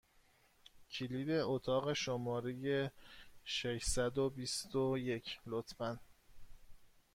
کلید اتاق شماره ششصد و بیست و یک، لطفا!